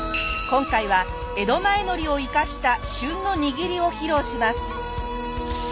今回は江戸前海苔を生かした旬の握りを披露します。